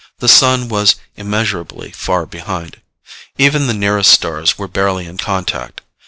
The Sun was immeasurably far behind. Even the nearest stars were barely in contact.